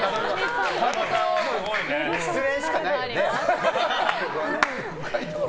失恋しかないよね！